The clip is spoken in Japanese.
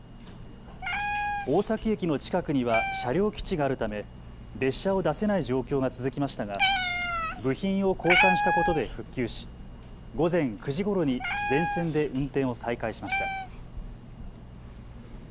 大崎駅の近くには車両基地があるため列車を出せない状況が続きましたが部品を交換したことで復旧し午前９時ごろに全線で運転を再開しました。